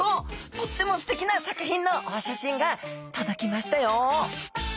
とってもステキな作品のお写真が届きましたよ！